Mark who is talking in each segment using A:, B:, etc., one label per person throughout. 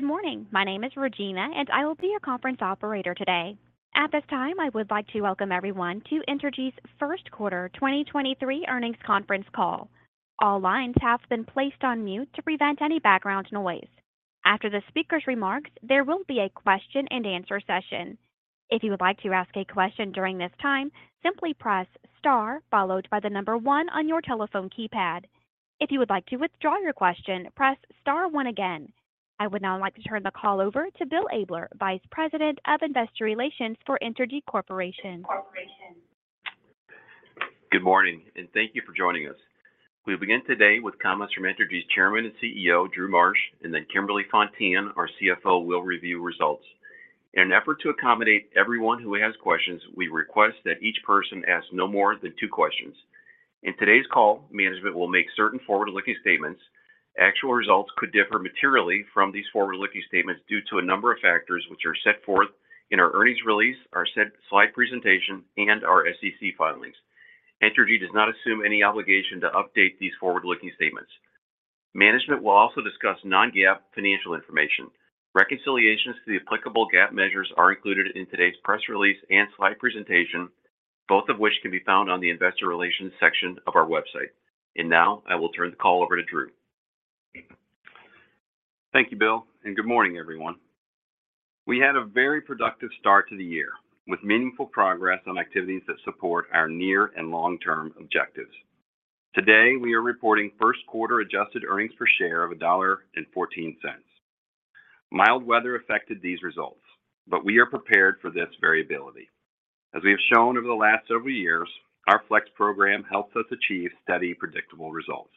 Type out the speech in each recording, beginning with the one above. A: Good morning. My name is Regina. I will be your conference operator today. At this time, I would like to welcome everyone to Entergy's First Quarter 2023 Earnings Conference Call. All lines have been placed on mute to prevent any background noise. After the speaker's remarks, there will be a question and answer session. If you would like to ask a question during this time, simply press star followed by the number one on your telephone keypad. If you would like to withdraw your question, press star one again. I would now like to turn the call over to Bill Abler, Vice President of Investor Relations for Entergy Corporation.
B: Good morning, and thank you for joining us. We'll begin today with comments from Entergy's Chairman and CEO, Drew Marsh, then Kimberly Fontan, our CFO, will review results. In an effort to accommodate everyone who has questions, we request that each person ask no more than two questions. In today's call, management will make certain forward-looking statements. Actual results could differ materially from these forward-looking statements due to a number of factors which are set forth in our earnings release, our set slide presentation, and our SEC filings. Entergy does not assume any obligation to update these forward-looking statements. Management will also discuss non-GAAP financial information. Reconciliations to the applicable GAAP measures are included in today's press release and slide presentation, both of which can be found on the investor relations section of our website. Now I will turn the call over to Drew.
C: Thank you, Bill, and good morning, everyone. We had a very productive start to the year, with meaningful progress on activities that support our near and long-term objectives. Today, we are reporting first quarter adjusted earnings per share of $1.14. Mild weather affected these results. We are prepared for this variability. As we have shown over the last several years, our FLEX program helps us achieve steady, predictable results.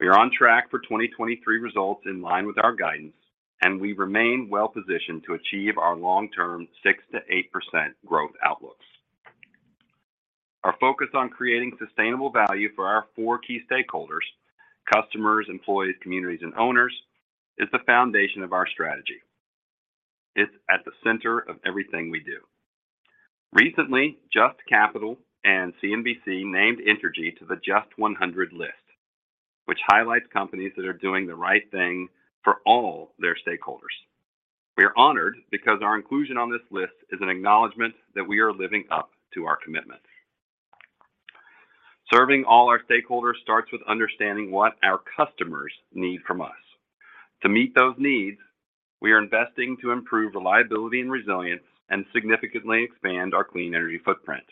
C: We are on track for 2023 results in line with our guidance. We remain well-positioned to achieve our long-term 6%-8% growth outlooks. Our focus on creating sustainable value for our four key stakeholders, customers, employees, communities, and owners, is the foundation of our strategy. It's at the center of everything we do. Recently, Just Capital and CNBC named Entergy to the JUST 100 list, which highlights companies that are doing the right thing for all their stakeholders. We are honored because our inclusion on this list is an acknowledgment that we are living up to our commitment. Serving all our stakeholders starts with understanding what our customers need from us. To meet those needs, we are investing to improve reliability and resilience and significantly expand our clean energy footprint.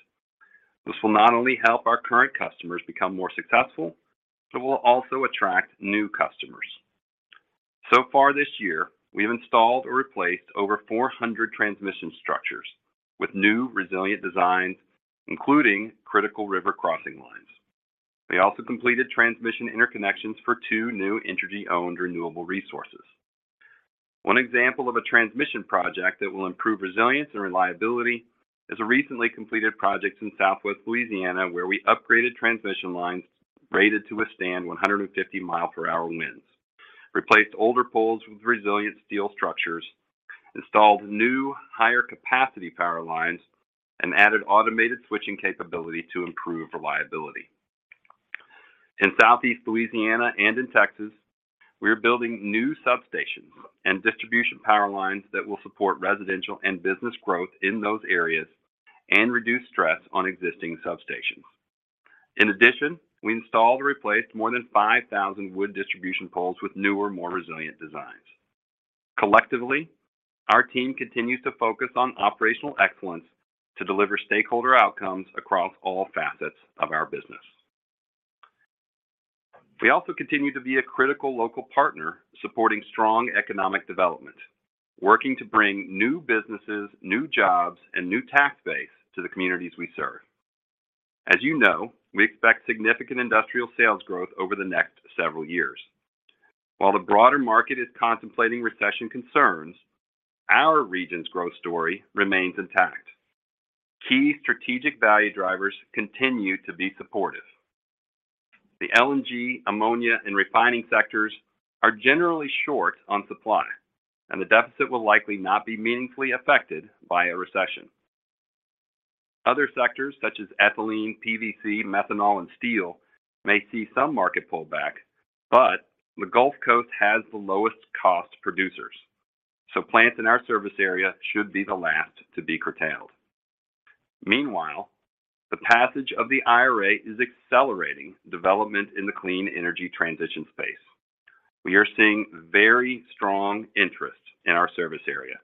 C: This will not only help our current customers become more successful, but will also attract new customers. So far this year, we have installed or replaced over 400 transmission structures with new resilient designs, including critical river crossing lines. We also completed transmission interconnections for two new Entergy-owned renewable resources. One example of a transmission project that will improve resilience and reliability is a recently completed project in Southwest Louisiana where we upgraded transmission lines rated to withstand 150 mile per hour winds, replaced older poles with resilient steel structures, installed new higher capacity power lines, and added automated switching capability to improve reliability. In Southeast Louisiana and in Texas, we are building new substations and distribution power lines that will support residential and business growth in those areas and reduce stress on existing substations. In addition, we installed or replaced more than 5,000 wood distribution poles with newer, more resilient designs. Collectively, our team continues to focus on operational excellence to deliver stakeholder outcomes across all facets of our business. We also continue to be a critical local partner supporting strong economic development, working to bring new businesses, new jobs, and new tax base to the communities we serve. As you know, we expect significant industrial sales growth over the next several years. While the broader market is contemplating recession concerns, our region's growth story remains intact. Key strategic value drivers continue to be supportive. The LNG, ammonia, and refining sectors are generally short on supply, and the deficit will likely not be meaningfully affected by a recession. Other sectors such as ethylene, PVC, methanol, and steel may see some market pullback, but the Gulf Coast has the lowest cost producers, so plants in our service area should be the last to be curtailed. Meanwhile, the passage of the IRA is accelerating development in the clean energy transition space. We are seeing very strong interest in our service area,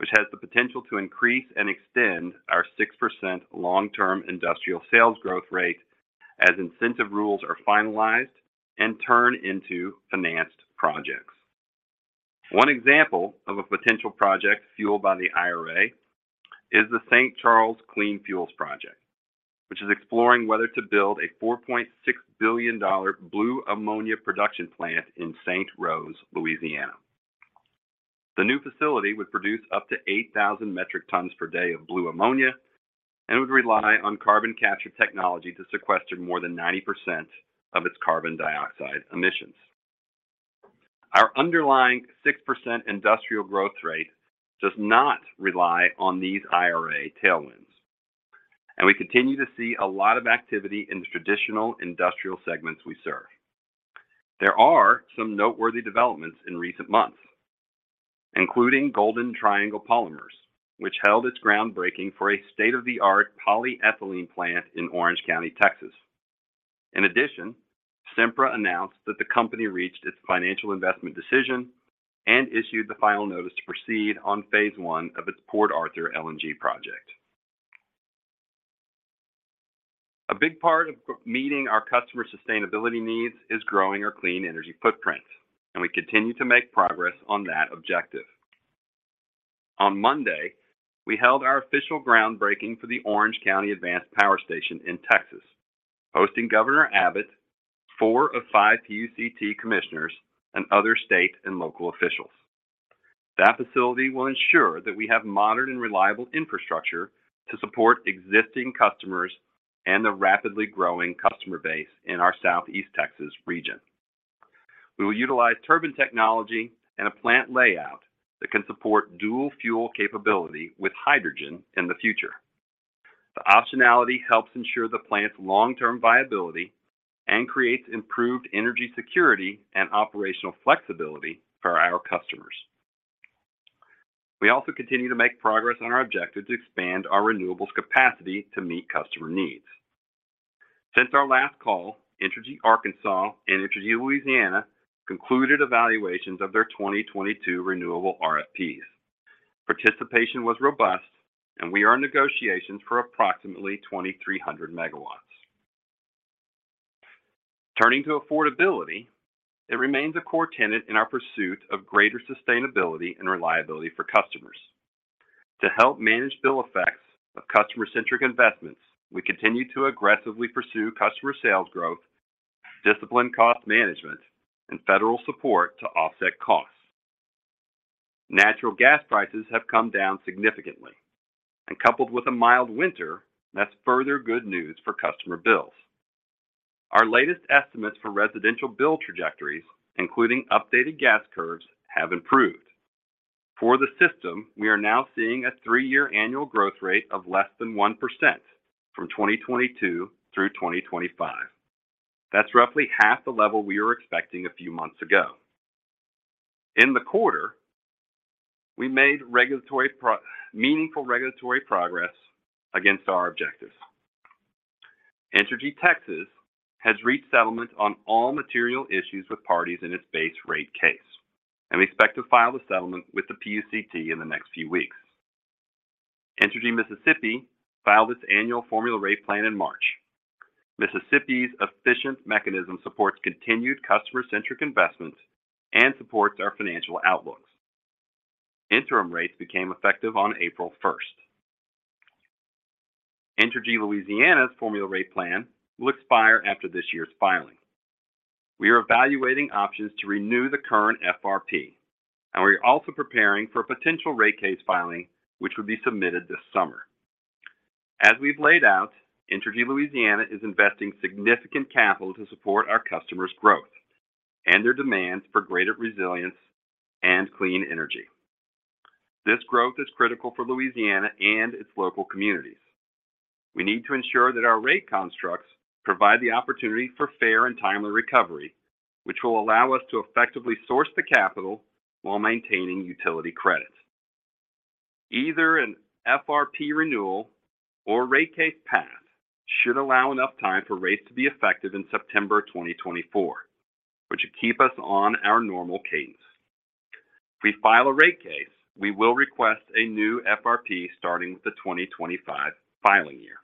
C: which has the potential to increase and extend our 6% long-term industrial sales growth rate as incentive rules are finalized and turn into financed projects. One example of a potential project fueled by the IRA is the St. Charles Clean Fuels project, which is exploring whether to build a $4.6 billion blue ammonia production plant in St. Rose, Louisiana. The new facility would produce up to 8,000 metric tons per day of blue ammonia and would rely on carbon capture technology to sequester more than 90% of its carbon dioxide emissions. Our underlying 6% industrial growth rate does not rely on these IRA tailwinds. We continue to see a lot of activity in the traditional industrial segments we serve. There are some noteworthy developments in recent months, including Golden Triangle Polymers, which held its groundbreaking for a state-of-the-art polyethylene plant in Orange County, Texas. In addition, Sempra announced that the company reached its financial investment decision and issued the final notice to proceed on Phase 1 of its Port Arthur LNG project. A big part of meeting our customer sustainability needs is growing our clean energy footprint, and we continue to make progress on that objective. On Monday, we held our official groundbreaking for the Orange County Advanced Power Station in Texas, hosting Governor Abbott, four of five PUCT commissioners, and other state and local officials. That facility will ensure that we have modern and reliable infrastructure to support existing customers and the rapidly growing customer base in our Southeast Texas region. We will utilize turbine technology and a plant layout that can support dual fuel capability with hydrogen in the future. The optionality helps ensure the plant's long-term viability and creates improved energy security and operational flexibility for our customers. We also continue to make progress on our objective to expand our renewables capacity to meet customer needs. Since our last call, Entergy Arkansas and Entergy Louisiana concluded evaluations of their 2022 renewable RFPs. Participation was robust, and we are in negotiations for approximately 2,300 MW. Turning to affordability, it remains a core tenet in our pursuit of greater sustainability and reliability for customers. To help manage bill effects of customer-centric investments, we continue to aggressively pursue customer sales growth, disciplined cost management, and federal support to offset costs. Natural gas prices have come down significantly, and coupled with a mild winter, that's further good news for customer bills. Our latest estimates for residential bill trajectories, including updated gas curves, have improved. For the system, we are now seeing a three-year annual growth rate of less than 1% from 2022 through 2025. That's roughly half the level we were expecting a few months ago. In the quarter, we made meaningful regulatory progress against our objectives. Entergy Texas has reached settlement on all material issues with parties in its base rate case. We expect to file the settlement with the PUCT in the next few weeks. Entergy Mississippi filed its annual formula rate plan in March. Mississippi's efficient mechanism supports continued customer-centric investments and supports our financial outlooks. Interim rates became effective on April 1st. Entergy Louisiana's formula rate plan will expire after this year's filing. We are evaluating options to renew the current FRP, and we are also preparing for a potential rate case filing which would be submitted this summer. As we've laid out, Entergy Louisiana is investing significant capital to support our customers' growth and their demands for greater resilience and clean energy. This growth is critical for Louisiana and its local communities. We need to ensure that our rate constructs provide the opportunity for fair and timely recovery, which will allow us to effectively source the capital while maintaining utility credits. Either an FRP renewal or rate case path should allow enough time for rates to be effective in September 2024, which will keep us on our normal cadence. If we file a rate case, we will request a new FRP starting with the 2025 filing year.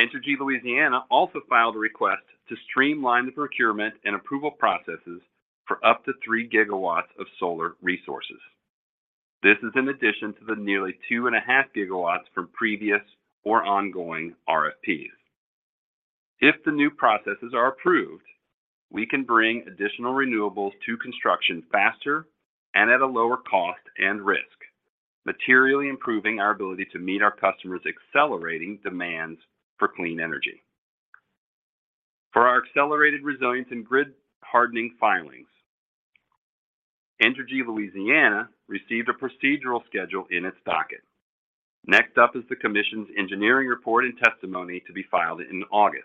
C: Entergy Louisiana also filed a request to streamline the procurement and approval processes for up to 3 GW of solar resources. This is in addition to the nearly 2.5 GW from previous or ongoing RFPs. If the new processes are approved, we can bring additional renewables to construction faster and at a lower cost and risk, materially improving our ability to meet our customers' accelerating demands for clean energy. For our accelerated resilience and grid hardening filings, Entergy Louisiana received a procedural schedule in its docket. Next up is the commission's engineering report and testimony to be filed in August.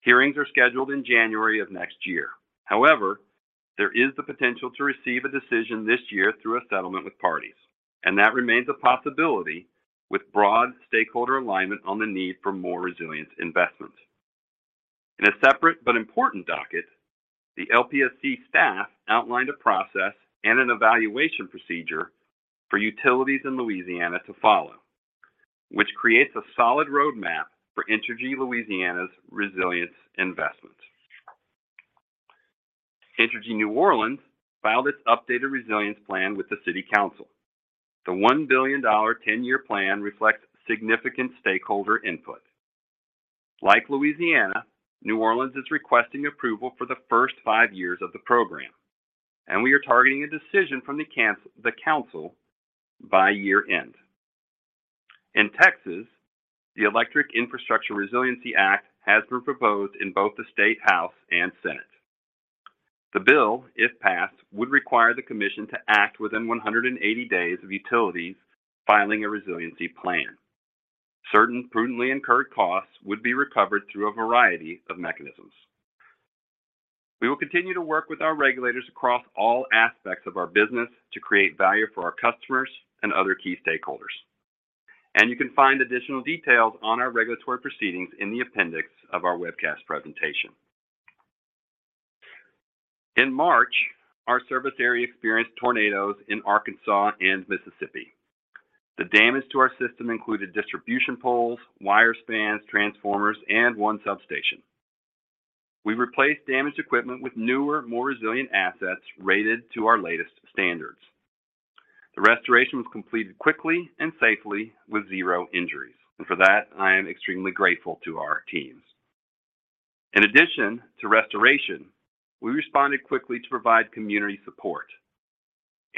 C: Hearings are scheduled in January of next year. However, there is the potential to receive a decision this year through a settlement with parties, and that remains a possibility with broad stakeholder alignment on the need for more resilience investments. In a separate but important docket, the LPSC staff outlined a process and an evaluation procedure for utilities in Louisiana to follow, which creates a solid roadmap for Entergy Louisiana's resilience investments. Entergy New Orleans filed its updated resilience plan with the City Council. The $1 billion 10-year plan reflects significant stakeholder input. Like Louisiana, New Orleans is requesting approval for the first five years of the program, and we are targeting a decision from the council by year-end. In Texas, the Electric Infrastructure Resiliency Act has been proposed in both the State House and Senate. The bill, if passed, would require the commission to act within 180 days of utilities filing a resiliency plan. Certain prudently incurred costs would be recovered through a variety of mechanisms. We will continue to work with our regulators across all aspects of our business to create value for our customers and other key stakeholders. You can find additional details on our regulatory proceedings in the appendix of our webcast presentation. In March, our service area experienced tornadoes in Arkansas and Mississippi. The damage to our system included distribution poles, wire spans, transformers, and one substation. We replaced damaged equipment with newer, more resilient assets rated to our latest standards. The restoration was completed quickly and safely with zero injuries, and for that, I am extremely grateful to our teams. In addition to restoration, we responded quickly to provide community support.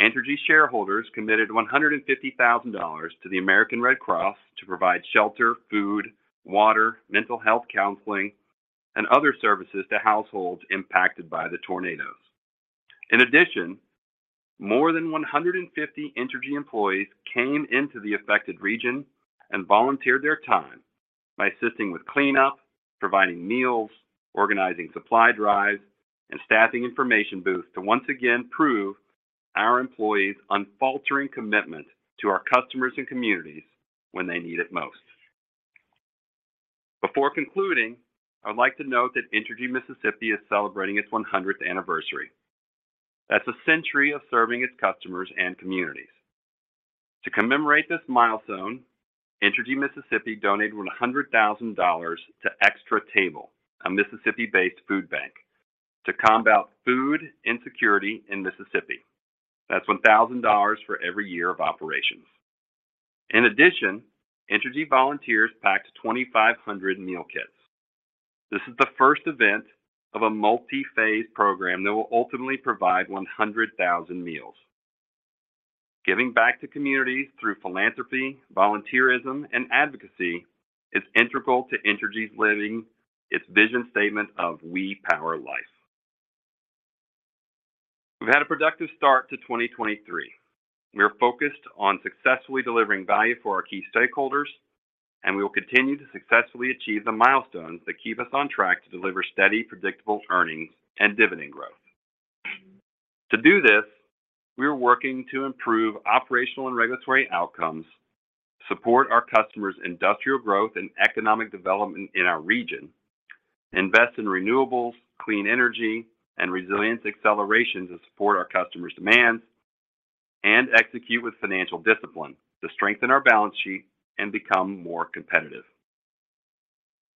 C: Entergy shareholders committed $150,000 to the American Red Cross to provide shelter, food, water, mental health counseling, and other services to households impacted by the tornadoes. In addition, more than 150 Entergy employees came into the affected region and volunteered their time by assisting with cleanup, providing meals, organizing supply drives, and staffing information booths to once again prove our employees' unfaltering commitment to our customers and communities when they need it most. Before concluding, I'd like to note that Entergy Mississippi is celebrating its 100th anniversary. That's a century of serving its customers and communities. To commemorate this milestone, Entergy Mississippi donated $100,000 to Extra Table, a Mississippi-based food bank, to combat food insecurity in Mississippi. That's $1,000 for every year of operations. In addition, Entergy volunteers packed 2,500 meal kits. This is the first event of a multi-phase program that will ultimately provide 100,000 meals. Giving back to communities through philanthropy, volunteerism, and advocacy is integral to Entergy's living its vision statement of We Power Life. We've had a productive start to 2023. We are focused on successfully delivering value for our key stakeholders, and we will continue to successfully achieve the milestones that keep us on track to deliver steady, predictable earnings and dividend growth. To do this, we are working to improve operational and regulatory outcomes, support our customers' industrial growth and economic development in our region, invest in renewables, clean energy, and resilience acceleration to support our customers' demands, and execute with financial discipline to strengthen our balance sheet and become more competitive.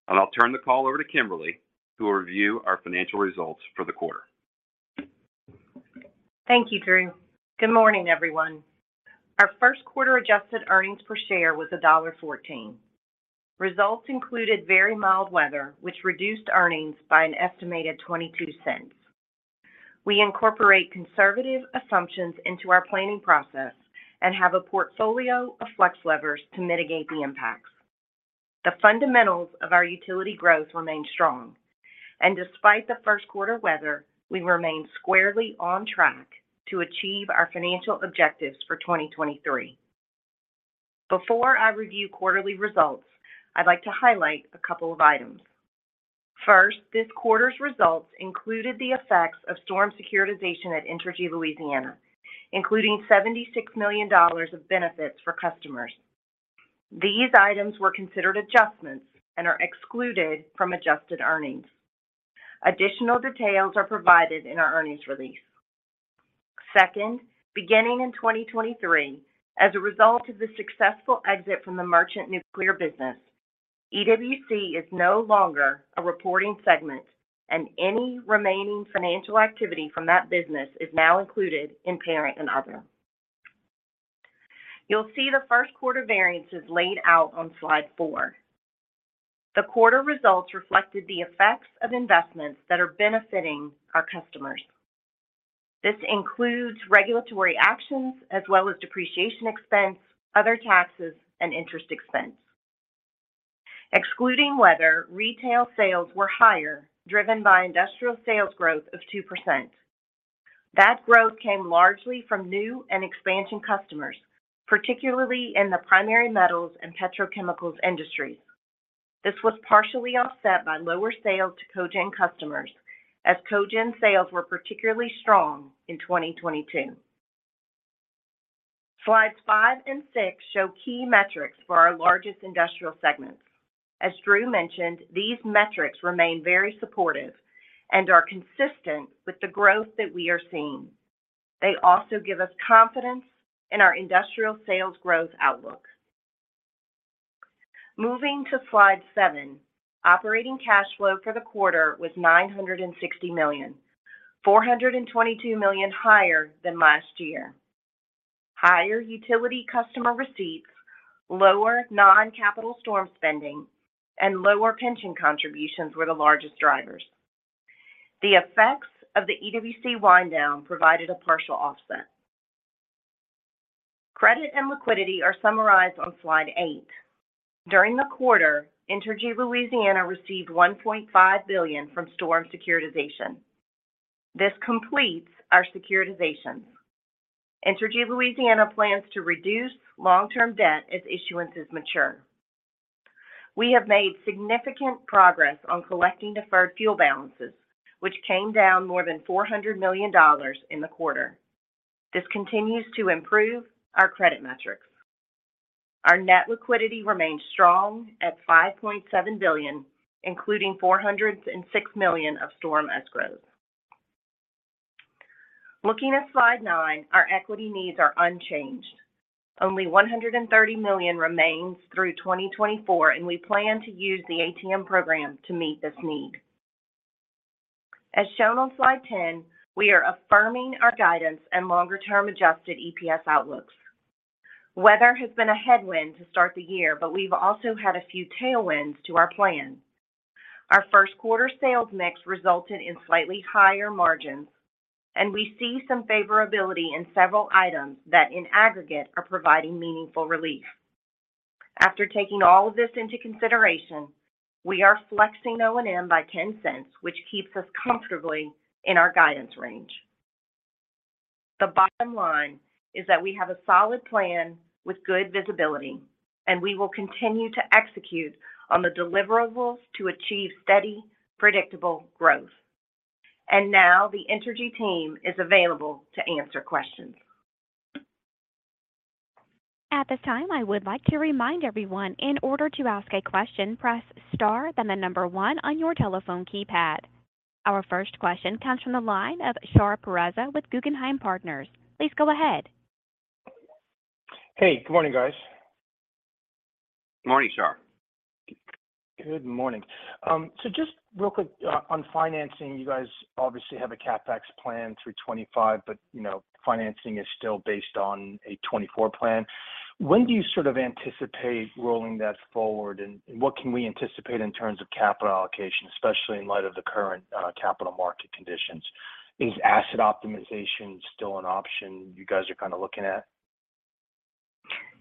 C: I'll turn the call over to Kimberly, who will review our financial results for the quarter.
D: Thank you, Drew. Good morning, everyone. Our first quarter adjusted earnings per share was $1.14. Results included very mild weather, which reduced earnings by an estimated $0.22. We incorporate conservative assumptions into our planning process and have a portfolio of FLEX levers to mitigate the impacts. The fundamentals of our utility growth remain strong. Despite the first quarter weather, we remain squarely on track to achieve our financial objectives for 2023. Before I review quarterly results, I'd like to highlight a couple of items. First, this quarter's results included the effects of storm securitization at Entergy Louisiana, including $76 million of benefits for customers. These items were considered adjustments and are excluded from adjusted earnings. Additional details are provided in our earnings release. Second, beginning in 2023, as a result of the successful exit from the merchant nuclear business, EWC is no longer a reporting segment, and any remaining financial activity from that business is now included in Parent & Other. You'll see the first quarter variances laid out on slide four. The quarter results reflected the effects of investments that are benefiting our customers. This includes regulatory actions as well as depreciation expense, other taxes, and interest expense. Excluding weather, retail sales were higher, driven by industrial sales growth of 2%. That growth came largely from new and expansion customers, particularly in the primary metals and petrochemicals industries. This was partially offset by lower sales to cogen customers as cogen sales were particularly strong in 2022. Slides five and six show key metrics for our largest industrial segments. As Drew mentioned, these metrics remain very supportive and are consistent with the growth that we are seeing. They also give us confidence in our industrial sales growth outlook. Moving to slide seven, operating cash flow for the quarter was $960 million, $422 million higher than last year. Higher utility customer receipts, lower non-capital storm spending, and lower pension contributions were the largest drivers. The effects of the EWC wind down provided a partial offset. Credit and liquidity are summarized on slide eight. During the quarter, Entergy Louisiana received $1.5 billion from storm securitization. This completes our securitizations. Entergy Louisiana plans to reduce long-term debt as issuances mature. We have made significant progress on collecting deferred fuel balances, which came down more than $400 million in the quarter. This continues to improve our credit metrics. Our net liquidity remains strong at $5.7 billion, including $406 million of storm escrows. Looking at slide nine, our equity needs are unchanged. Only $130 million remains through 2024 and we plan to use the ATM program to meet this need. As shown on slide 10, we are affirming our guidance and longer-term adjusted EPS outlooks. Weather has been a headwind to start the year, We've also had a few tailwinds to our plan. Our first quarter sales mix resulted in slightly higher margins, We see some favorability in several items that in aggregate are providing meaningful relief. After taking all of this into consideration, we are flexing O&M by $0.10, which keeps us comfortably in our guidance range. The bottom line is that we have a solid plan with good visibility, and we will continue to execute on the deliverables to achieve steady, predictable growth. Now the Entergy team is available to answer questions.
A: At this time, I would like to remind everyone in order to ask a question, press star then the number one on your telephone keypad. Our first question comes from the line of Shahriar Pourreza with Guggenheim Partners. Please go ahead.
E: Hey, good morning, guys.
C: Morning, Shar.
E: Good morning. Just real quick on financing. You guys obviously have a CapEx plan through 2025, but you know, financing is still based on a 2024 plan. When do you sort of anticipate rolling that forward, and what can we anticipate in terms of capital allocation, especially in light of the current capital market conditions? Is asset optimization still an option you guys are kinda looking at?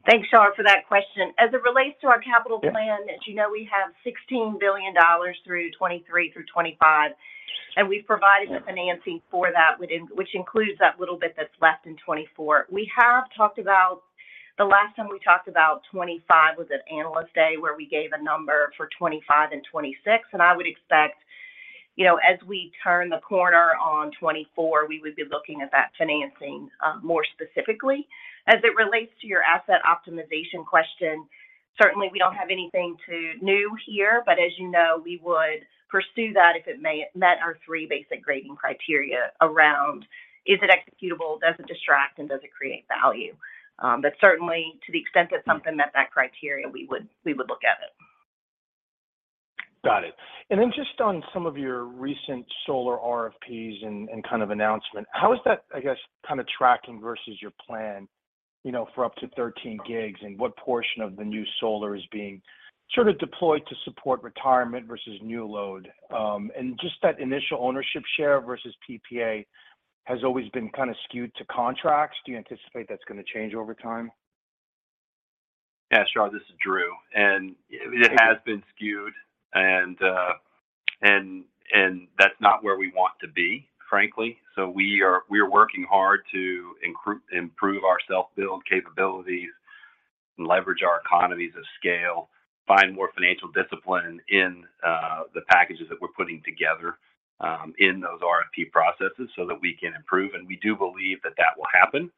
D: Thanks, Shar, for that question. As it relates to our capital plan, as you know, we have $16 billion through 2023 through 2025, and we've provided the financing for that which includes that little bit that's left in 2024. We have talked about. The last time we talked about 2025 was at Analyst Day, where we gave a number for 2025 and 2026. I would expect, you know, as we turn the corner on 2024, we would be looking at that financing, more specifically. As it relates to your asset optimization question, certainly we don't have anything too new here. As you know, we would pursue that if it met our three basic grading criteria around is it executable, does it distract, and does it create value? But certainly to the extent it's something that met that criteria, we would look at it.
E: Got it. Just on some of your recent solar RFPs and kind of announcement, how is that, I guess, kind of tracking versus your plan, you know, for up to 13 GW? What portion of the new solar is being sort of deployed to support retirement versus new load? Just that initial ownership share versus PPA has always been kind of skewed to contracts. Do you anticipate that's gonna change over time?
C: Yeah, Shar, this is Drew. It has been skewed, and that's not where we want to be, frankly. We are working hard to improve our self-build capabilities and leverage our economies of scale, find more financial discipline in the packages that we're putting together in those RFP processes so that we can improve. We do believe that that will happen.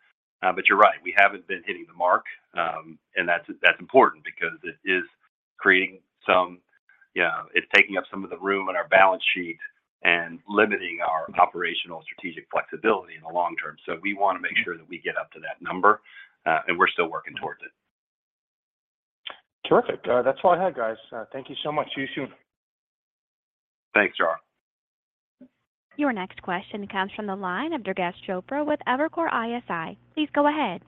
C: You're right. We haven't been hitting the mark. That's important because it is creating some, you know, it's taking up some of the room in our balance sheet and limiting our operational strategic flexibility in the long term. We wanna make sure that we get up to that number, we're still working towards it.
E: Terrific. That's all I had, guys. Thank you so much. See you soon.
C: Thanks, Shar.
A: Your next question comes from the line of Durgesh Chopra with Evercore ISI. Please go ahead.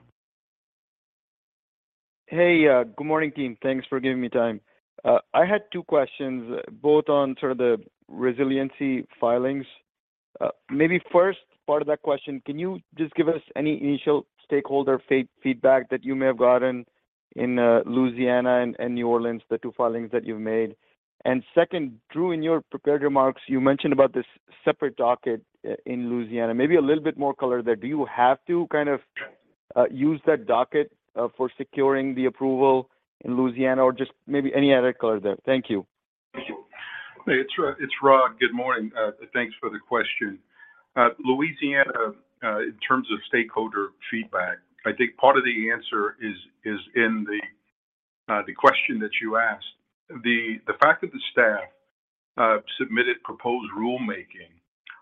F: Hey, good morning, team. Thanks for giving me time. I had two questions both on sort of the resiliency filings. Maybe first part of that question, can you just give us any initial stakeholder feedback that you may have gotten in Louisiana and New Orleans, the two filings that you've made? Second, Drew, in your prepared remarks, you mentioned about this separate docket in Louisiana. Maybe a little bit more color there. Do you have to kind of use that docket for securing the approval in Louisiana or just maybe any other color there? Thank you.
C: Thank you.
G: Hey, it's Rod. Good morning. Thanks for the question. Louisiana, in terms of stakeholder feedback, I think part of the answer is in the question that you asked. The fact that the staff submitted proposed rulemaking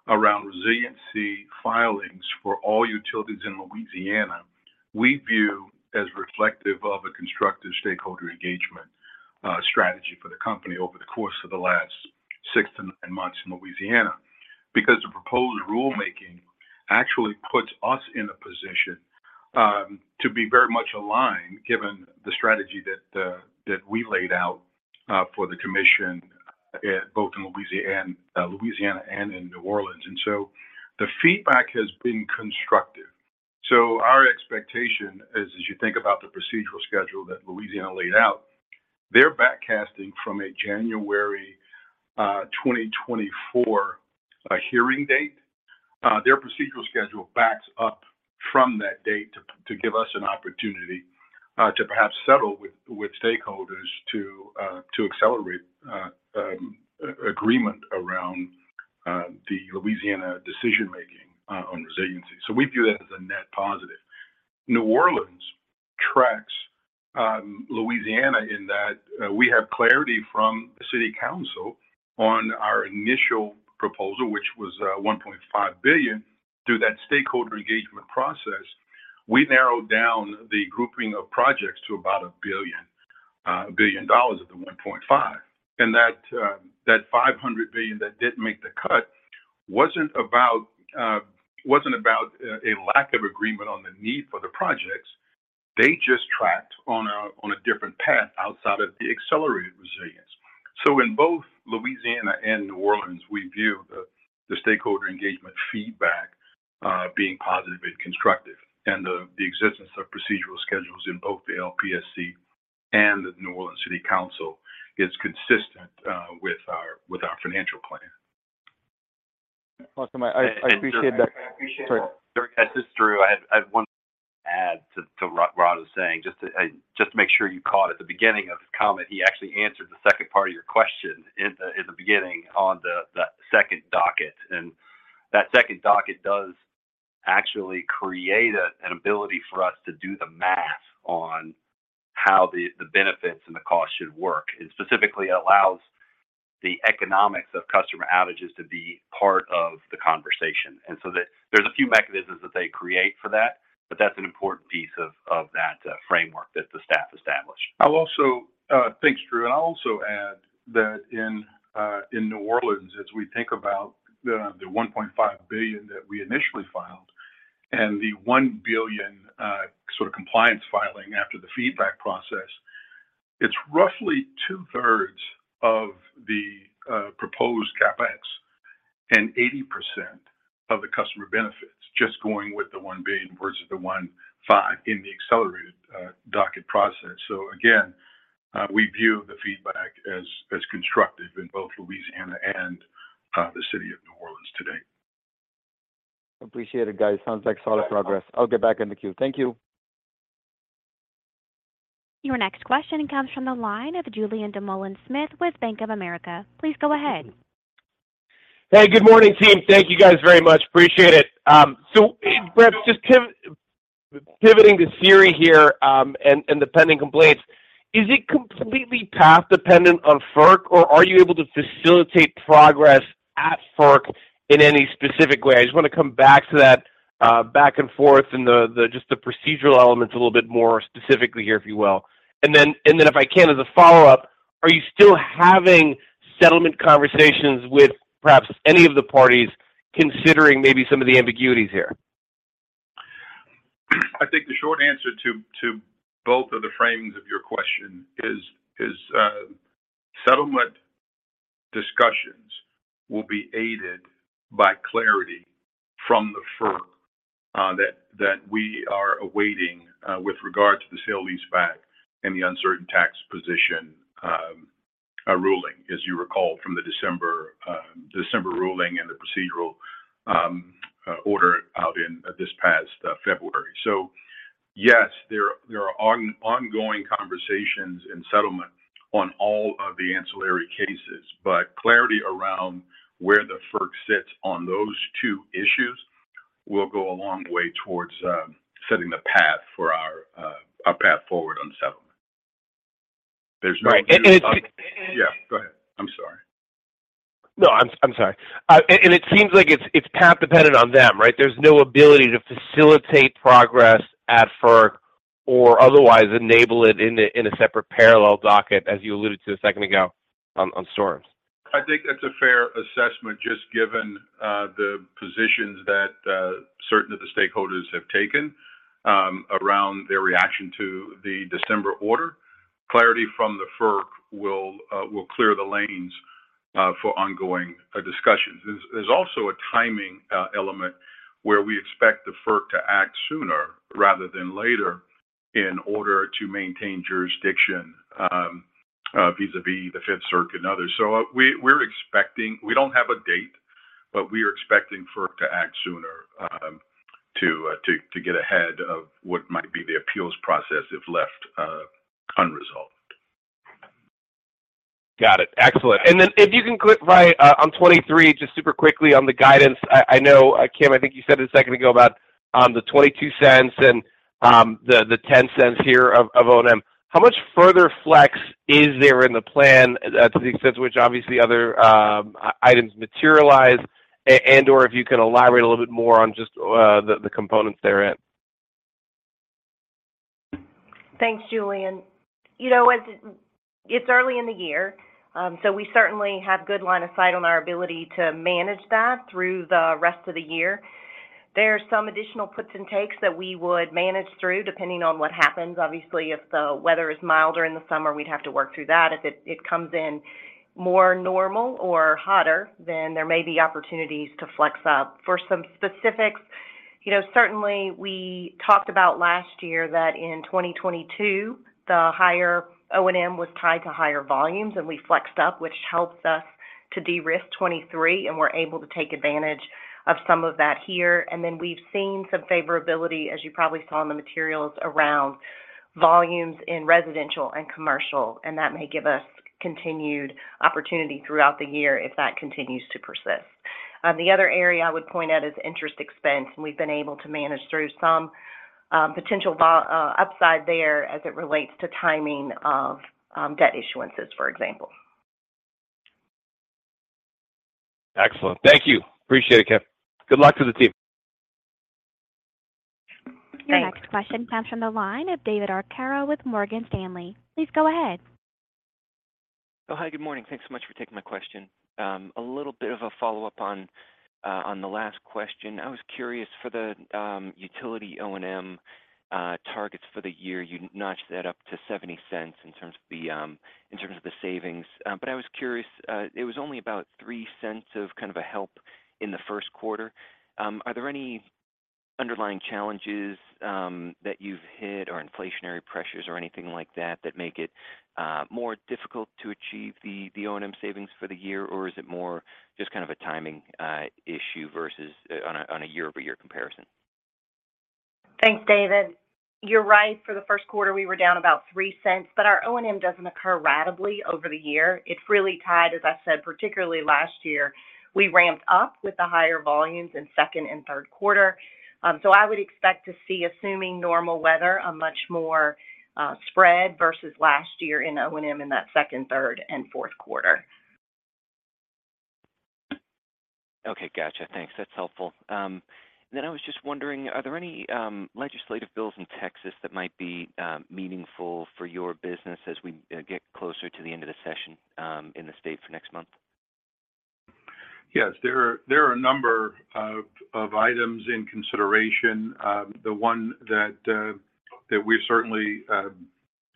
G: around resiliency filings for all utilities in Louisiana, we view as reflective of a constructive stakeholder engagement strategy for the company over the course of the last six to nine months in Louisiana. The proposed rulemaking actually puts us in a position to be very much aligned given the strategy that we laid out for the Commission, both in Louisiana and in New Orleans. The feedback has been constructive. Our expectation is as you think about the procedural schedule that Louisiana laid out, they're back casting from a January 2024 hearing date. Their procedural schedule backs up from that date to give us an opportunity to perhaps settle with stakeholders to accelerate a agreement around the Louisiana decision-making on resiliency. We view that as a net positive. New Orleans tracks Louisiana in that we have clarity from the City Council on our initial proposal, which was $1.5 billion. Through that stakeholder engagement process, we narrowed down the grouping of projects to about $1 billion of the $1.5. That $500 million that didn't make the cut wasn't about a lack of agreement on the need for the projects. They just tracked on a different path outside of the accelerated resilience. In both Louisiana and New Orleans, we view the stakeholder engagement feedback being positive and constructive. The existence of procedural schedules in both the LPSC and the New Orleans City Council is consistent with our financial plan.
F: Awesome. I appreciate that.
C: I appreciate that.
F: Sorry.
C: This is Drew. I have one to add to what Rod was saying, just to make sure you caught at the beginning of his comment, he actually answered the second part of your question in the beginning on the second docket. That second docket does actually create an ability for us to do the math on how the benefits and the costs should work, and specifically allows the economics of customer outages to be part of the conversation. There's a few mechanisms that they create for that, but that's an important piece of that framework that the staff established.
G: I'll also—thanks, Drew. I'll also add that in New Orleans, as we think about the $1.5 billion that we initially filed and the $1 billion sort of compliance filing after the feedback process, it's roughly 2/3 of the proposed CapEx and 80% of the customer benefits just going with the $1 billion versus the $1.5 billion in the accelerated docket process. Again, we view the feedback as constructive in both Louisiana and the city of New Orleans today.
F: Appreciate it, guys. Sounds like solid progress. I'll get back in the queue. Thank you.
A: Your next question comes from the line of Julien Dumoulin-Smith with Bank of America. Please go ahead.
H: Hey, good morning, team. Thank you guys very much. Appreciate it. Perhaps just pivoting to SERI here, and the pending complaints, is it completely path dependent on FERC, or are you able to facilitate progress at FERC in any specific way? I just want to come back to that back and forth and the just the procedural elements a little bit more specifically here, if you will. Then if I can, as a follow-up, are you still having settlement conversations with perhaps any of the parties considering maybe some of the ambiguities here?
G: I think the short answer to both of the framings of your question is settlement discussions will be aided by clarity from the FERC that we are awaiting with regard to the sale leaseback and the uncertain tax position ruling, as you recall from the December ruling and the procedural order out in this past February. Yes, there are ongoing conversations and settlement on all of the ancillary cases. Clarity around where the FERC sits on those two issues will go a long way towards setting the path for our path forward on settlement. There's no.
H: Right. it,
G: Yeah, go ahead. I'm sorry.
H: No, I'm sorry. It seems like it's path dependent on them, right? There's no ability to facilitate progress at FERC or otherwise enable it in a separate parallel docket, as you alluded to a second ago on storms.
G: I think that's a fair assessment just given the positions that certain of the stakeholders have taken around their reaction to the December order. Clarity from the FERC will clear the lanes for ongoing discussions. There's also a timing element where we expect the FERC to act sooner rather than later in order to maintain jurisdiction vis-à-vis the Fifth Circuit and others. We don't have a date, but we are expecting FERC to act sooner to get ahead of what might be the appeals process if left unresolved.
H: Got it. Excellent. Then if you can click right, on 2023 just super quickly on the guidance. I know, Kimberly, I think you said a second ago about, the $0.22 and, the $0.10 here of O&M. How much further FLEX is there in the plan to the extent to which obviously other, items materialize and/or if you can elaborate a little bit more on just, the components therein?
D: Thanks, Julien. You know what? It's early in the year. We certainly have good line of sight on our ability to manage that through the rest of the year. There are some additional puts and takes that we would manage through depending on what happens. Obviously, if the weather is milder in the summer, we'd have to work through that. If it comes in more normal or hotter, there may be opportunities to flex up. For some specifics, you know, certainly we talked about last year that in 2022, the higher O&M was tied to higher volumes. We flexed up, which helps us to de-risk 2023. We're able to take advantage of some of that here. We've seen some favorability, as you probably saw in the materials, around volumes in residential and commercial, and that may give us continued opportunity throughout the year if that continues to persist. The other area I would point out is interest expense. We've been able to manage through some potential upside there as it relates to timing of debt issuances, for example.
C: Excellent. Thank you. Appreciate it, Kim. Good luck to the team.
D: Thanks.
A: Your next question comes from the line of David Arcaro with Morgan Stanley. Please go ahead.
I: Good morning. Thanks so much for taking my question. A little bit of a follow-up on the last question. I was curious for the Utility O&M targets for the year. You notched that up to $0.70 in terms of the in terms of the savings. But I was curious, it was only about $0.03 of kind of a help in the first quarter. Are there any underlying challenges that you've hit or inflationary pressures or anything like that make it more difficult to achieve the O&M savings for the year? Or is it more just kind of a timing issue versus on a year-over-year comparison?
D: Thanks, David. You're right. For the first quarter, we were down about $0.03, but our O&M doesn't occur ratably over the year. It's really tied, as I said, particularly last year. We ramped up with the higher volumes in second and third quarter. I would expect to see, assuming normal weather, a much more spread versus last year in O&M in that second, third, and fourth quarter.
I: Okay. Gotcha. Thanks. That's helpful. I was just wondering, are there any legislative bills in Texas that might be meaningful for your business as we get closer to the end of the session in the state for next month?
G: Yes. There are a number of items in consideration. The one that we're certainly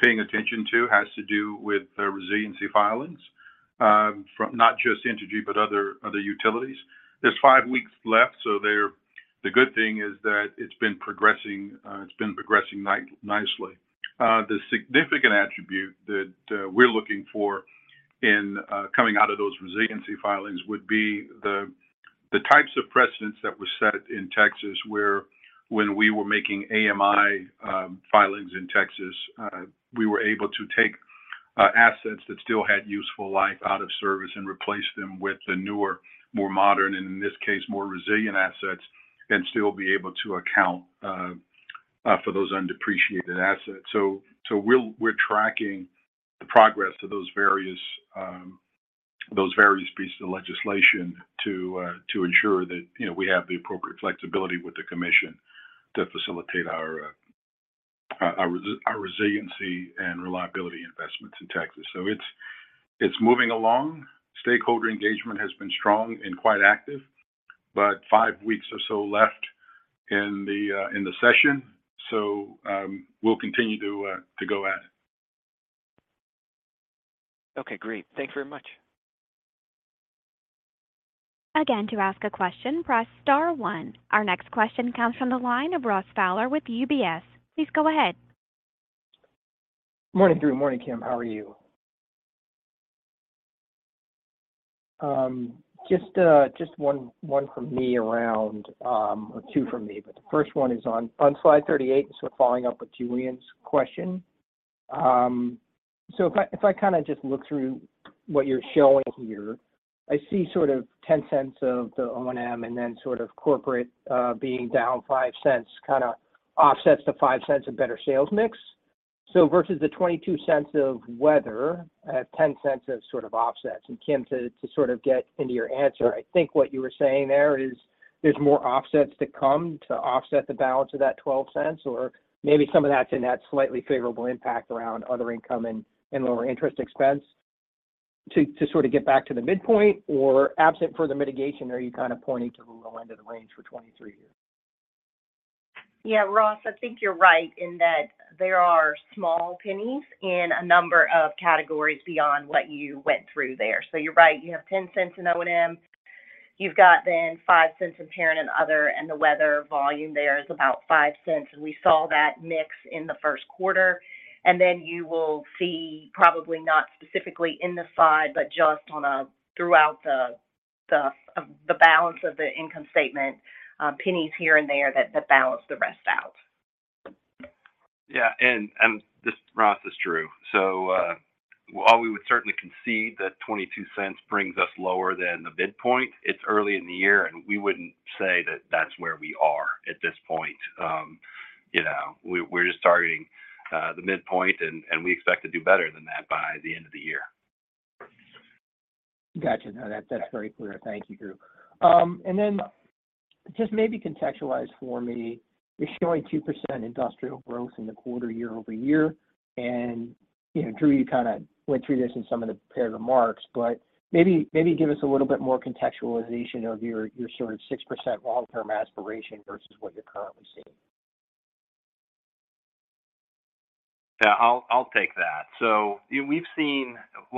G: paying attention to has to do with the resiliency filings from not just Entergy, but other utilities. There's five weeks left, so the good thing is that it's been progressing nicely. The significant attribute that we're looking for in coming out of those resiliency filings would be the types of precedents that were set in Texas, where when we were making AMI filings in Texas, we were able to take assets that still had useful life out of service and replace them with the newer, more modern, and in this case, more resilient assets and still be able to account for those undepreciated assets. We're tracking the progress of those various, those various pieces of legislation to ensure that, you know, we have the appropriate flexibility with the commission to facilitate our resiliency and reliability investments in Texas. It's moving along. Stakeholder engagement has been strong and quite active, but five weeks or so left in the session. We'll continue to go at it.
I: Okay, great. Thank you very much.
A: Again, to ask a question, press star one. Our next question comes from the line of Ross Fowler with UBS. Please go ahead.
J: Morning, Drew. Morning, Kim. How are you? Just one from me around or two from me, but the first one is on slide 38. Following up with Julien's question. If I kinda just look through what you're showing here, I see sort of $0.10 of the O&M and then sort of corporate being down $0.05 kinda offsets the $0.05 of better sales mix. Versus the $0.22 of weather at $0.10 of sort of offsets. Kim, to sort of get into your answer, I think what you were saying there is there's more offsets to come to offset the balance of that $0.12 or maybe some of that's in that slightly favorable impact around other income and lower interest expense to sort of get back to the midpoint. Absent for the mitigation, are you kind of pointing to the low end of the range for 2023 here?
D: Yeah, Ross, I think you're right in that there are small pennies in a number of categories beyond what you went through there. You're right. You have $0.10 in O&M. You've got then $0.05 in Parent & Other, and the weather volume there is about $0.05, and we saw that mix in the first quarter. Then you will see probably not specifically in the slide, but just on a throughout the balance of the income statement, pennies here and there that balance the rest out.
C: Yeah. This, Ross, this is Drew. While we would certainly concede that $0.22 brings us lower than the midpoint, it's early in the year, we wouldn't say that that's where we are at this point. You know, we're just targeting the midpoint, we expect to do better than that by the end of the year.
J: Gotcha. No. That, that's very clear. Thank you, Drew. Then just maybe contextualize for me, you're showing 2% industrial growth in the quarter year-over-year. You know, Drew, you kinda went through this in some of the prepared remarks, but maybe give us a little bit more contextualization of your sort of 6% long-term aspiration versus what you're currently seeing.
C: Yeah, I'll take that. Well,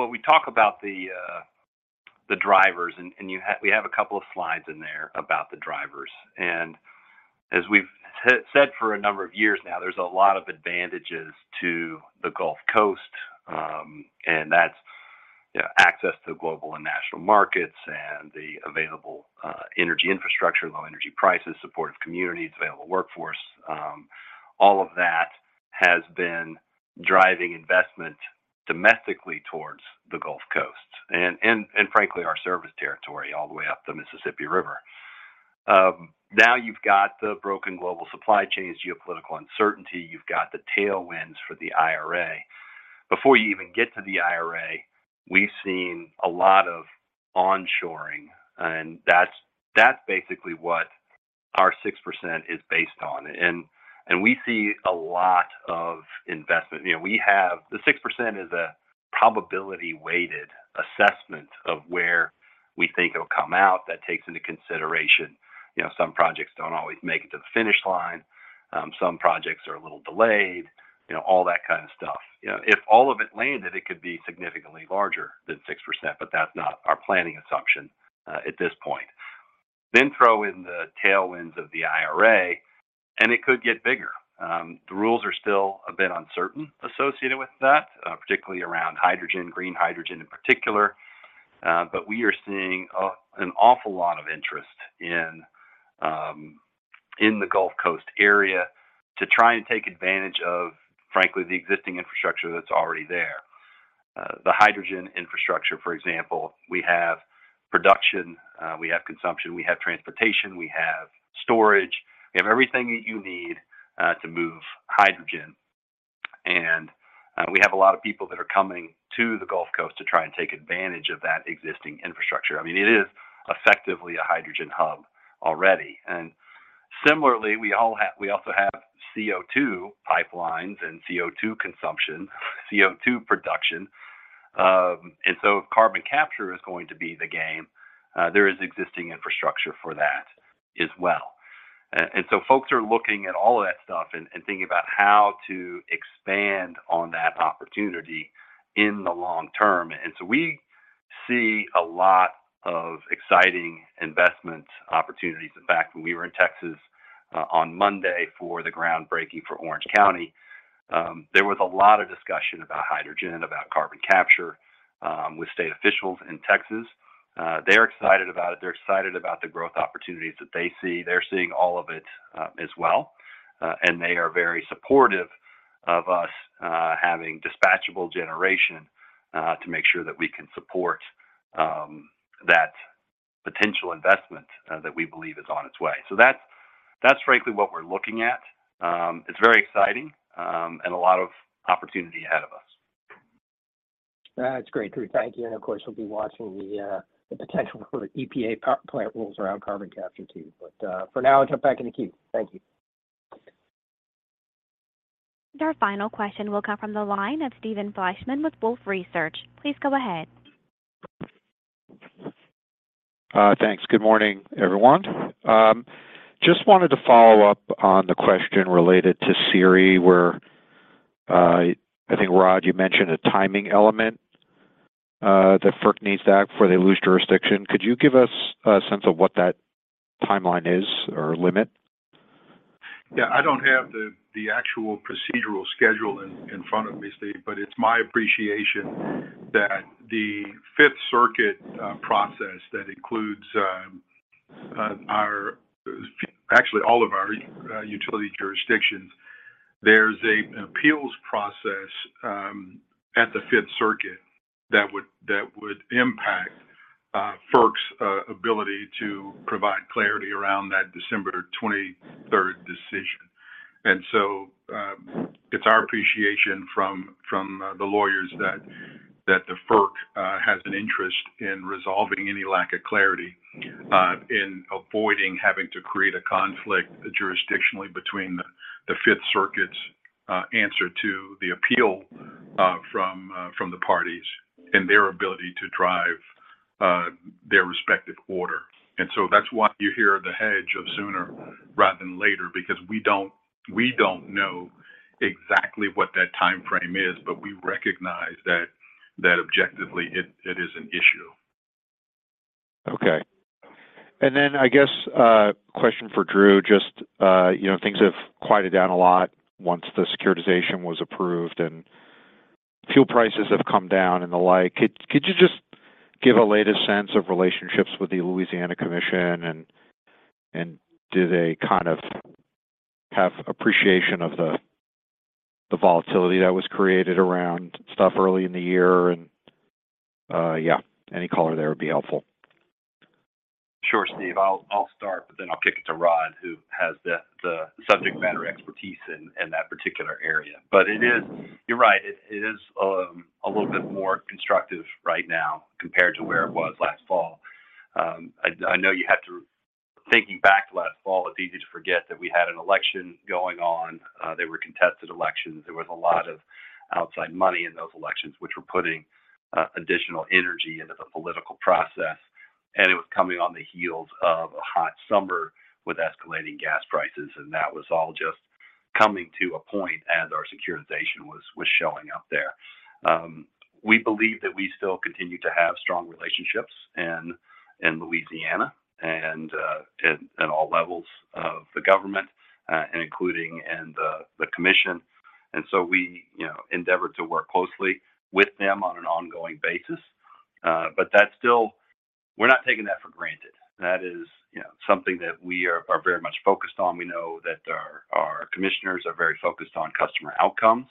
C: we talk about the drivers and we have a couple of slides in there about the drivers. As we've said for a number of years now, there's a lot of advantages to the Gulf Coast. And that's, you know, access to global and national markets and the available energy infrastructure, low energy prices, supportive communities, available workforce. All of that has been driving investment domestically towards the Gulf Coast and frankly, our service territory all the way up the Mississippi River. Now you've got the broken global supply chains, geopolitical uncertainty. You've got the tailwinds for the IRA. Before you even get to the IRA, we've seen a lot of onshoring, and that's basically what our 6% is based on. We see a lot of investment. You know, the 6% is a probability-weighted assessment of where we think it'll come out that takes into consideration, you know, some projects don't always make it to the finish line, some projects are a little delayed, you know, all that kind of stuff. You know, if all of it landed, it could be significantly larger than 6%, but that's not our planning assumption at this point. Throw in the tailwinds of the IRA, and it could get bigger. The rules are still a bit uncertain associated with that, particularly around hydrogen, green hydrogen in particular. We are seeing an awful lot of interest in the Gulf Coast area to try and take advantage of, frankly, the existing infrastructure that's already there. The hydrogen infrastructure, for example, we have production, we have consumption, we have transportation, we have storage. We have everything that you need to move hydrogen. We have a lot of people that are coming to the Gulf Coast to try and take advantage of that existing infrastructure. I mean, it is effectively a hydrogen hub already. Similarly, we also have CO2 pipelines and CO2 consumption, CO2 production. If carbon capture is going to be the game, there is existing infrastructure for that as well. Folks are looking at all of that stuff and thinking about how to expand on that opportunity in the long term. We see a lot of exciting investment opportunities. In fact, when we were in Texas, on Monday for the groundbreaking for Orange County, there was a lot of discussion about hydrogen, about carbon capture, with state officials in Texas. They're excited about it. They're excited about the growth opportunities that they see. They're seeing all of it, as well, and they are very supportive of us, having dispatchable generation, to make sure that we can support, that potential investment, that we believe is on its way. That's frankly what we're looking at. It's very exciting, and a lot of opportunity ahead of us.
J: That's great, Drew. Thank you. Of course, we'll be watching the potential for EPA plant rules around carbon capture too. For now, I'll jump back in the queue. Thank you.
A: Our final question will come from the line of Steve Fleishman with Wolfe Research. Please go ahead.
K: thanks. Good morning, everyone. just wanted to follow up on the question related to SERI, where, I think, Rod, you mentioned a timing element, that FERC needs that before they lose jurisdiction. Could you give us a sense of what that timeline is or limit?
G: Yeah, I don't have the actual procedural schedule in front of me, Steve, but it's my appreciation that the Fifth Circuit process that includes actually all of our utility jurisdictions. There's an appeals process at the Fifth Circuit that would impact FERC's ability to provide clarity around that December 23rd decision. It's our appreciation from the lawyers that the FERC has an interest in resolving any lack of clarity in avoiding having to create a conflict jurisdictionally between the Fifth Circuit's answer to the appeal from the parties and their ability to drive their respective order. That's why you hear the hedge of sooner rather than later, because we don't know exactly what that timeframe is, but we recognize that objectively it is an issue.
K: Okay. I guess, question for Drew, just, you know, things have quieted down a lot once the securitization was approved and fuel prices have come down and the like. Could you just give a latest sense of relationships with the Louisiana Commission and do they kind of have appreciation of the volatility that was created around stuff early in the year? Yeah, any color there would be helpful.
C: Sure, Steve. I'll start, then I'll kick it to Rod, who has the subject matter expertise in that particular area. You're right. It is a little bit more constructive right now compared to where it was last fall. I know you have to. Thinking back to last fall, it's easy to forget that we had an election going on. They were contested elections. There was a lot of outside money in those elections, which were putting additional energy into the political process. It was coming on the heels of a hot summer with escalating gas prices. That was all just coming to a point as our securitization was showing up there. We believe that we still continue to have strong relationships in Louisiana and at all levels of the government, including in the Commission. We, you know, endeavor to work closely with them on an ongoing basis. We're not taking that for granted. That is, you know, something that we are very much focused on. We know that our Commissioners are very focused on customer outcomes,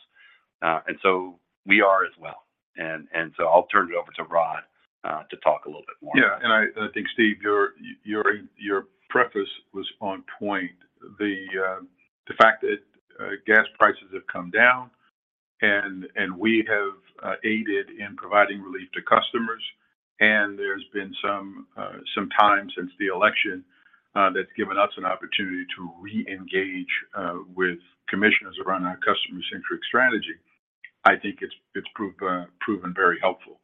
C: and so we are as well. I'll turn it over to Rod to talk a little bit more.
G: Yeah. I think, Steve, your preface was on point. The fact that gas prices have come down and we have aided in providing relief to customers, and there's been some time since the election that's given us an opportunity to reengage with Commissioners around our customer-centric strategy. I think it's proven very helpful.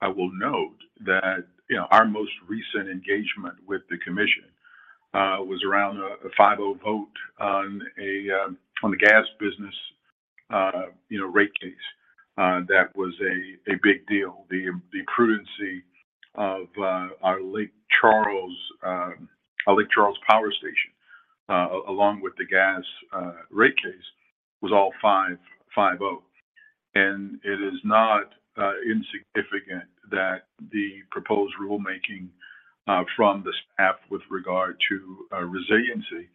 G: I will note that, you know, our most recent engagement with the commission was around a 5-0 vote on a on the gas business, you know, rate case. That was a big deal. The prudency of our Lake Charles Power Station along with the gas rate case was all 5-0. It is not insignificant that the proposed rulemaking from the FERC with regard to resiliency,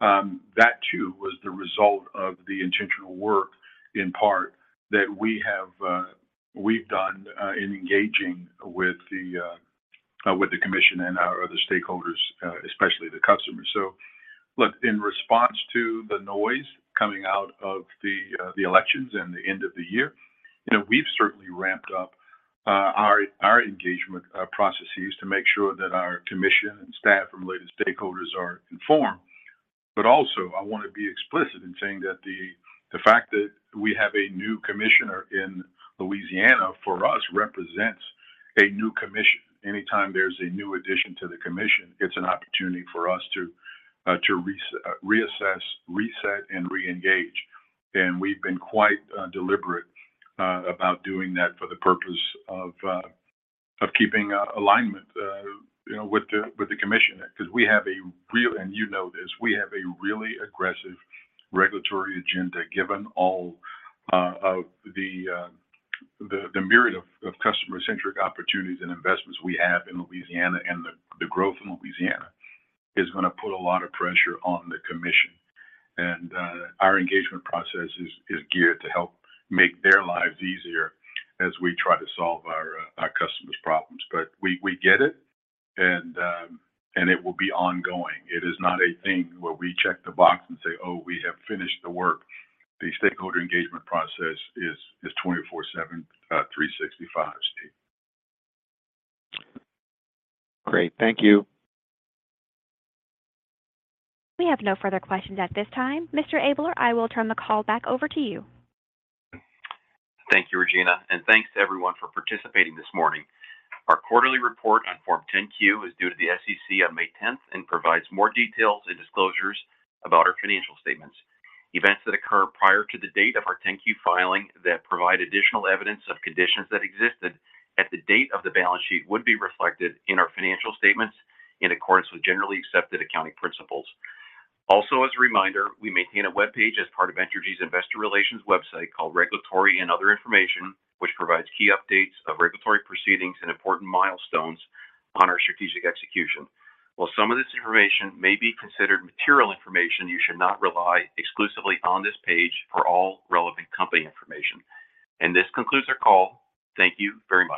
G: that too was the result of the intentional work in part that we have we've done in engaging with the Commission and our other stakeholders, especially the customers. Look, in response to the noise coming out of the elections and the end of the year, you know, we've certainly ramped up our our engagement processes to make sure that our Commission and staff and related stakeholders are informed. Also, I want to be explicit in saying that the fact that we have a new Commissioner in Louisiana, for us represents a new Commission. Anytime there's a new addition to the Commission, it's an opportunity for us to reassess, reset, and reengage. We've been quite deliberate about doing that for the purpose of keeping alignment, you know, with the Commission because we have a really aggressive regulatory agenda given all of the myriad of customer-centric opportunities and investments we have in Louisiana. You know this. The growth in Louisiana is gonna put a lot of pressure on the Commission. Our engagement process is geared to help make their lives easier as we try to solve our customers' problems. We get it, and it will be ongoing. It is not a thing where we check the box and say, "Oh, we have finished the work." The stakeholder engagement process is 24/7, 365, Steve.
K: Great. Thank you.
A: We have no further questions at this time. Mr. Abler, I will turn the call back over to you.
B: Thank you, Regina, and thanks to everyone for participating this morning. Our quarterly report on Form 10-Q is due to the SEC on May 10th and provides more details and disclosures about our financial statements. Events that occur prior to the date of our 10-Q filing that provide additional evidence of conditions that existed at the date of the balance sheet would be reflected in our financial statements in accordance with generally accepted accounting principles. Also, as a reminder, we maintain a webpage as part of Entergy's investor relations website called Regulatory and Other Information, which provides key updates of regulatory proceedings and important milestones on our strategic execution. While some of this information may be considered material information, you should not rely exclusively on this page for all relevant company information. This concludes our call. Thank you very much.